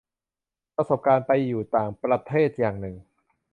ประสบการณ์การไปอยู่ต่างประเทศอย่างหนึ่ง